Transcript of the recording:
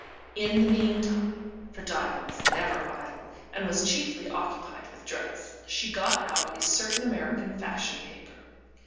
In the meantime, for Diva was never idle, and was chiefly occupied with dress, she got out a certain American fashion paper.